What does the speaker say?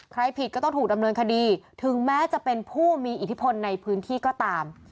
ผิดก็ต้องถูกดำเนินคดีถึงแม้จะเป็นผู้มีอิทธิพลในพื้นที่ก็ตาม